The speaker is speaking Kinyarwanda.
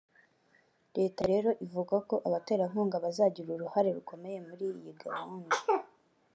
Leta rero ivuga ko abaterankunga bazagira uruhare rukomeye muri iyi gahunda